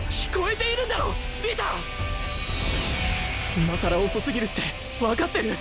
今更遅すぎるって分かってる。